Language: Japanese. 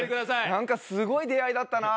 なんかすごい出会いだったな。